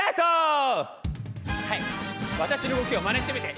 はい私の動きをまねしてみて。